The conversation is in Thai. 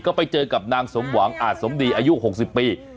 ก็ไปเจอกับนางสมหวังอาจสมดีอายุ๖๐ปี